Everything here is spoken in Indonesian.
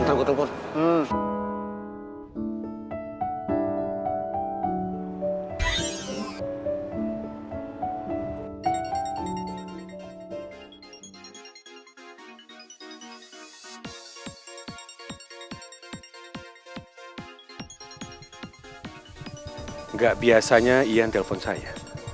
nggak biasanya ian telpon saya